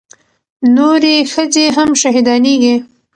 نورې ښځې هم شهيدانېږي.